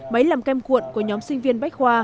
máy làm kem cuộn của nhóm sinh viên bách khoa